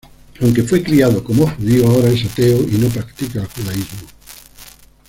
Aunque fue criado como judío, ahora es ateo y no practica el judaísmo.